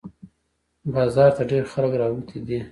بازار ته ډېر خلق راوتي دي